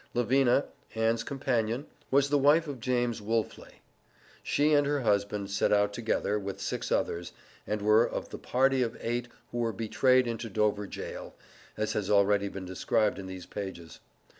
Lavina, Ann's companion, was the wife of James Woolfley. She and her husband set out together, with six others, and were of the party of eight who were betrayed into Dover jail, as has already been described in these pages.